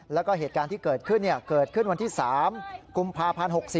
แล้วก็เหตุการณ์ที่เกิดขึ้นเกิดขึ้นวันที่๓กุมภาพันธ์๖๔